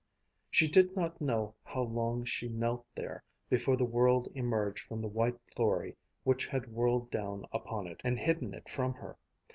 She did not know how long she knelt there before the world emerged from the white glory which had whirled down upon it, and hidden it from her.